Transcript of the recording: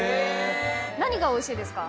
何がおいしいですか？